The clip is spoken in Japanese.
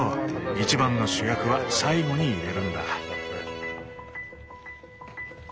一番の主役は最後に入れるんだ。